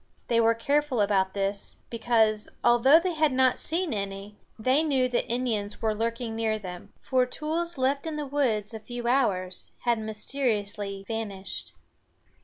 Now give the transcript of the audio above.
They were careful about this, because, although they had not seen any, they knew that Indians were lurking near them, for tools left in the woods a few hours had mysteriously vanished.